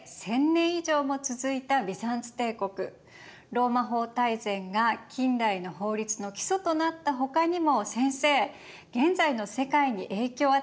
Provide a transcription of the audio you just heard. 「ローマ法大全」が近代の法律の基礎となったほかにも先生現在の世界に影響を与えていることありそうですね。